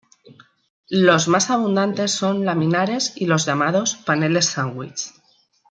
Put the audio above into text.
Los más abundantes son los laminares y los llamados "paneles sándwich".